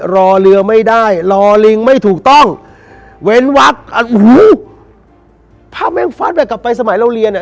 รอเรือไม่ได้รอลิงไม่ถูกต้องเว้นวัดถ้าแม่งฟัดอ่ะกลับไปสมัยเราเรียนอ่ะ